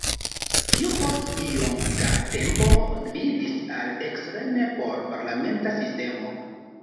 Tio post iom da tempo gvidis al ekstreme por-parlamenta sistemo.